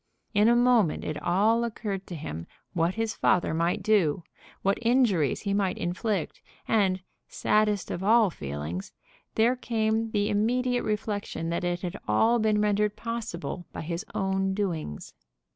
In a moment it all occurred to him what his father might do, what injuries he might inflict; and, saddest of all feelings, there came the immediate reflection that it had all been rendered possible by his own doings.